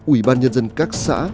ủy ban nhân dân các xã